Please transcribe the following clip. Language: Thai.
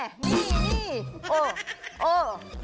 นี่